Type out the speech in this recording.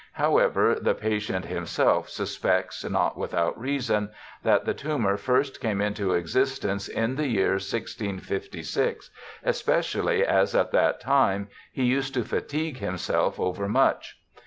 However the patient himself suspects, not without reason, that the tumour first came into existence in the year 1656, especially as at that time ... he used to fatigue himself overmuch.